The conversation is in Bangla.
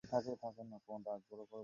সাজ্জাদ, নামো।